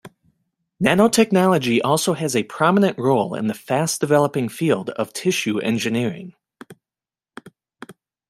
Nanotechnology also has a prominent role in the fast developing field of Tissue Engineering.